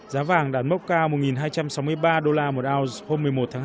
giá vàng đạt mốc cao một hai trăm sáu mươi ba đô la một ounce hôm một mươi một tháng hai